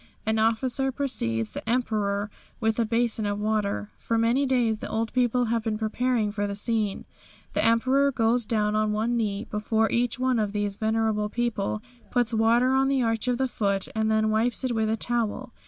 An officer precedes the Emperor with a basin of water. For many days the old people have been preparing for the scene. The Emperor goes down on one knee before each one of these venerable people, puts water on the arch of the foot and then wipes it with a towel.